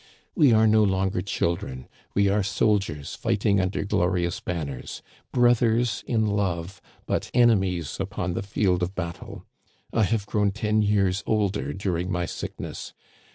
We are no longer children ; we are soldiers fighting under glorious banners, brothers in love but enemies upon the field of battle. I have grown ten years older during my sickness.